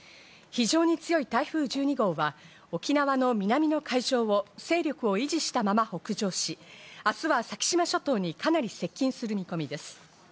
非常に強い台風１２号は、沖縄の南の海上を勢力を維持したまま北上し、明日は先島諸島にかなり接近する見込みです。